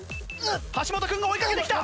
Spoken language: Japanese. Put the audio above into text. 橋本君が追いかけてきた！